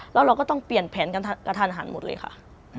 แล้วเราก็ต้องเปลี่ยนแผนกันกระทันหันหมดเลยค่ะ